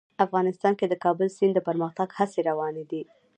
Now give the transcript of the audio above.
افغانستان کې د کابل سیند د پرمختګ هڅې روانې دي.